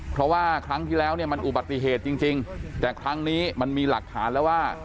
เพราะว่าครั้งที่แล้วเนี่ยมันอุบัติเหตุจริงแต่ครั้งนี้มันมีหลักฐานแล้วว่า